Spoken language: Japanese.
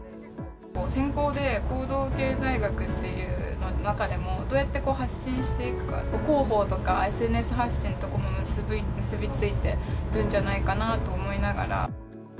専攻で、行動経済学っていう中でも、どうやって発信していくか、広報とか、ＳＮＳ発信とも結び付いてるんじゃないかなと思いながら。